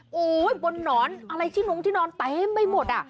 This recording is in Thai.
โอ้โฮบนหนอนอะไรที่น้องที่นอนตะให้ไม่หมด